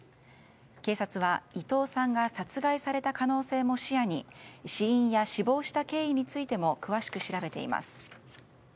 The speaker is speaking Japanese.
警察は、伊藤さんが殺害された可能性も視野に死因や死亡した経緯についても詳しく調べています。